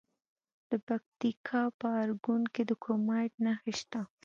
د پکتیکا په ارګون کې د کرومایټ نښې شته.